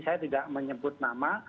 saya tidak menyebut nama